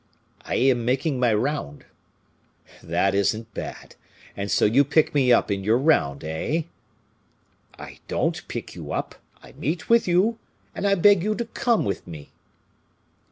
"I am making my round." "That isn't bad! And so you pick me up in your round, eh?" "I don't pick you up; I meet with you, and I beg you to come with me."